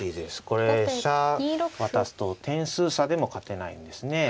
これ飛車渡すと点数差でも勝てないんですね。